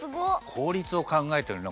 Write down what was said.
こうりつをかんがえてるね